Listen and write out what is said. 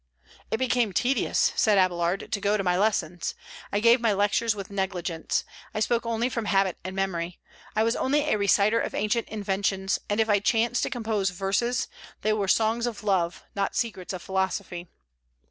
"It became tedious," said Abélard, "to go to my lessons. I gave my lectures with negligence. I spoke only from habit and memory. I was only a reciter of ancient inventions; and if I chanced to compose verses, they were songs of love, not secrets of philosophy."